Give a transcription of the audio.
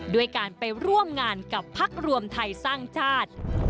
ด้วยการไปร่วมงานกับพักรวมไทยสร้างชาติ